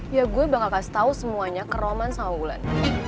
ya gue bakal kasih tau semuanya keroman sama bulan